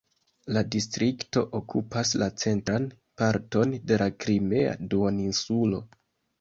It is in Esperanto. La distrikto okupas la centran parton de la Krimea duoninsulo.